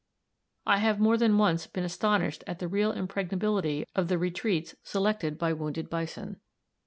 I have more than once been astonished at the real impregnability of the retreats selected by wounded bison.